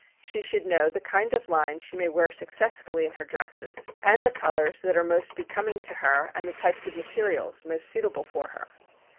She should know the kind of line she may wear successfully in her dresses, and the colors that are most becoming to her and the types of materials most suitable for her.